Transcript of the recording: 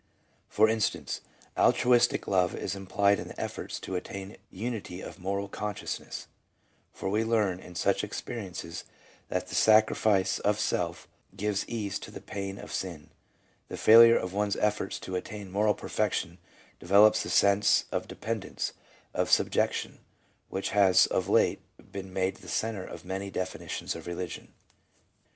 For instance, altruistic love is implied in the efforts to attain unity of moral consciousness, for we learn in such experi ences that the " sacrifice of self" gives ease to the pain of sin ; the failure of one's efforts to attain moral perfection develops the sense of dependence, of subjection, which has of late been made the centre of many definitions of religion.